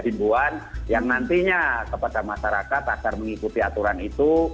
himbuan yang nantinya kepada masyarakat agar mengikuti aturan itu